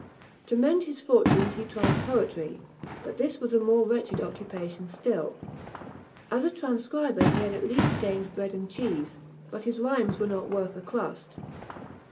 To mend his fortunes he tried poetry; but this was a more wretched occupation still. As a transcriber he had at least gained bread and cheese; but his rhymes were not worth a crust.